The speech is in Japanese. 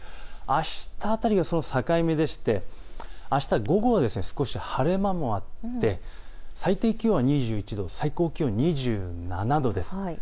あした辺りがその境目であした午後は少し晴れ間もあって、最低気温は２１度、最高気温が２７度です。